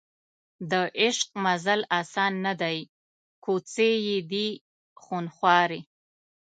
د عشق مزل اسان نه دی کوڅې یې دي خونخوارې